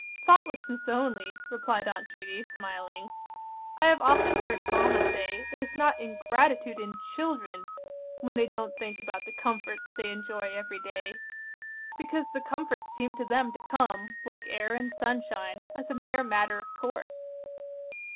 "Thoughtlessness only," replied Aunt Judy, smiling. "I have often heard mamma say it is not ingratitude in children when they don't think about the comforts they enjoy every day; because the comforts seem to them to come, like air and sunshine, as a mere matter of course."